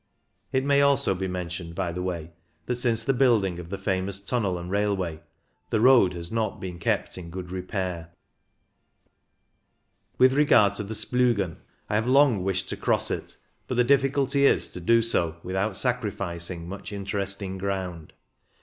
It may also be mentioned, by the way, that since the building of the famous tunnel and railway the road has not been kept in good repair. With regard to the Splugen, I have long wished to cross it, but the difficulty is to do so without sacrificing much inter esting ground.